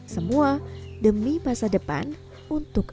semua demi masa depan untuk